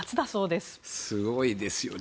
すごいですよね。